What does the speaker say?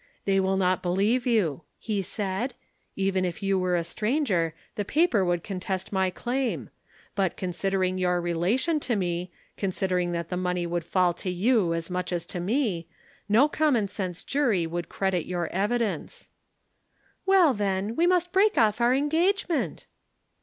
'They will not believe you,' he said. 'Even if you were a stranger, the paper would contest my claim. But considering your relation to me, considering that the money would fall to you as much as to me, no common sense jury would credit your evidence.' "'Well, then, we must break off our engagement.'